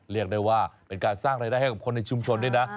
เรียกได้ว่าเป็นการสร้างรายได้ให้กับคนในชุมชนด้วยนะ